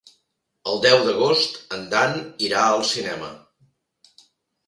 El deu d'agost en Dan irà al cinema.